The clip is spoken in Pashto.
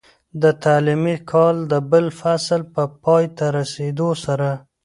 د تعليمي کال د بل فصل په پای ته رسېدو سره،